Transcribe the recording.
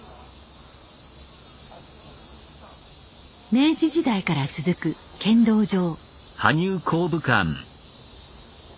明治時代から続く剣道場。